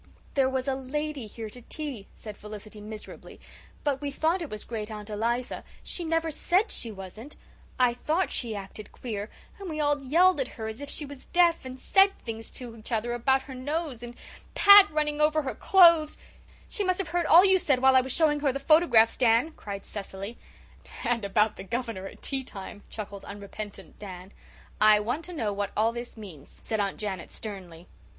"There was a lady here to tea," said Felicity miserably, "but we thought it was Great aunt Eliza she never SAID she wasn't I thought she acted queer and we all yelled at her as if she was deaf and said things to each other about her nose and Pat running over her clothes " "She must have heard all you said while I was showing her the photographs, Dan," cried Cecily. "And about the Governor at tea time," chuckled unrepentant Dan. "I want to know what all this means," said Aunt Janet sternly.